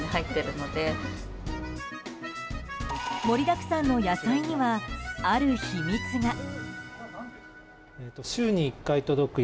盛りだくさんの野菜にはある秘密が。